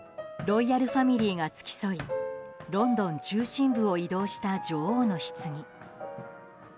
ロイヤルファミリーが付き添いロンドン中心部を移動した女王のひつぎ。